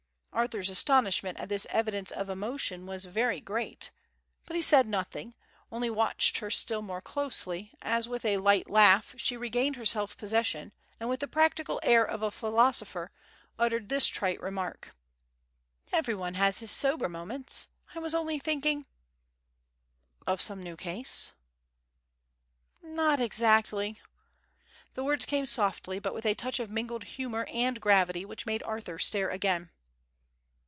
Arthur's astonishment at this evidence of emotion was very great; but he said nothing, only watched her still more closely, as with a light laugh she regained her self possession, and with the practical air of a philosopher uttered this trite remark: "Everyone has his sober moments. I was only thinking " "Of some new case?" "Not exactly." The words came softly but with a touch of mingled humour and gravity which made Arthur stare again.